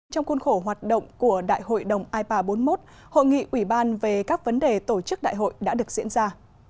trong khuôn khổ hoạt động của đại hội đồng ipa bốn mươi một hội nghị ủy ban về các vấn đề tổ chức đại hội đã được diễn ra